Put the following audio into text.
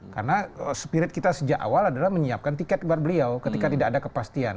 karena spirit kita sejak awal adalah menyiapkan tiket buat beliau ketika tidak ada kepastian